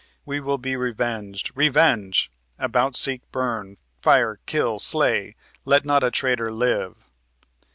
We will be revenged; revenge! about seek burn, fire kill slay let not a traitor live!"